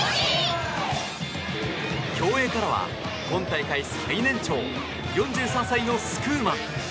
競泳からは、今大会最年長４３歳のスクーマン。